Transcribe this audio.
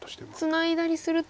ツナいだりすると。